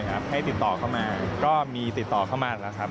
ให้ติดต่อเข้ามาก็มีติดต่อเข้ามาแล้วครับ